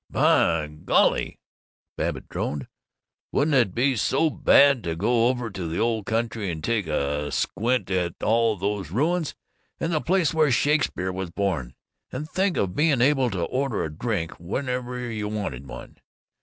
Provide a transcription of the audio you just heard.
"By golly," Babbitt droned, "wouldn't be so bad to go over to the Old Country and take a squint at all these ruins, and the place where Shakespeare was born. And think of being able to order a drink whenever you wanted one!